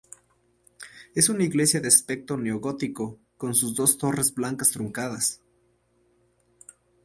Es una iglesia de aspecto neogótico, con sus dos torres blancas truncadas.